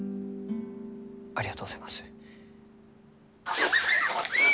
ありがとうございます。